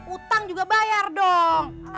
utang juga bayar dong